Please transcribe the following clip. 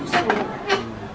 nggak bangun lagi sama susu